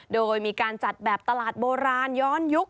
โดยมีการจัดแบบตลาดโบราณย้อนยุค